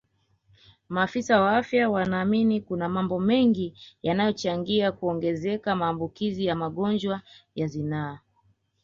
Maafisa wa afya wanaamini kuna mambo mengi yanayochangia kuongezeka maambukizi ya magonjwa ya zinaa